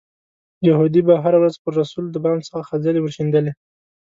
یهودي به هره ورځ پر رسول د بام څخه خځلې ورشیندلې.